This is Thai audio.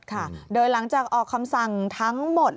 ค่ะโดยหลังจากออกคำสั่งทั้งหมด